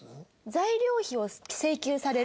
材料費を請求される。